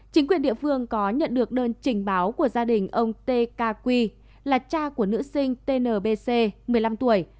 chính quyền địa phương có nhận được đơn trình báo của gia đình ông t k qui là cha của nữ sinh tnbc một mươi năm tuổi